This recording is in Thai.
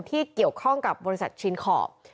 ที่เกี่ยวข้องกับบริษัทชินขอบ